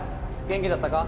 元気だったか？